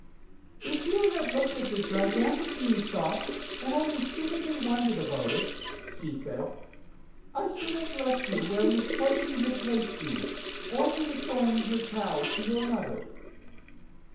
"If you had looked at the gigantic Beanstalk and only stupidly wondered about it," she said, "I should have left you where misfortune had placed you, only restoring her cow to your mother.